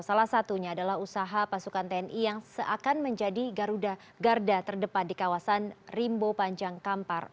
salah satunya adalah usaha pasukan tni yang seakan menjadi garuda garda terdepan di kawasan rimbo panjang kampar